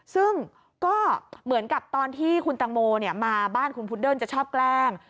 ซึ่งก็เหมือนกับตอนที่คุณตังโมมาบ้านคุณพุดเดิ้ลจะชอบแกล้ง